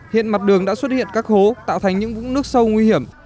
hiện mặt đường đã xuất hiện các hố tạo thành những vũng nước sâu nguy hiểm